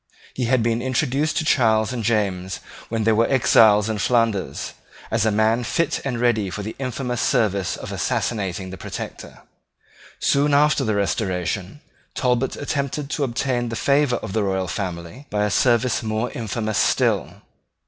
He had been introduced to Charles and James when they were exiles in Flanders, as a man fit and ready for the infamous service of assassinating the Protector. Soon after the Restoration, Talbot attempted to obtain the favour of the royal family by a service more infamous still.